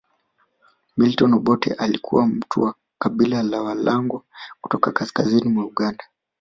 Milton Obote alikuwa mtu wa Kabila la Walango kutoka kaskazini mwa Uganda